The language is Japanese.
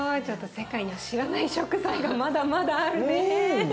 ちょっと世界の知らない食材がまだまだあるね。